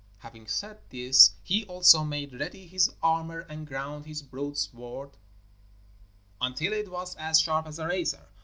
Having said this he also made ready his armour and ground his broadsword until it was as sharp as a razor.